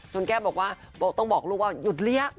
แก้มบอกว่าต้องบอกลูกว่าหยุดเลี้ยง